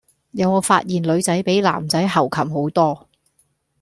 有冇發現女仔比男仔猴擒好多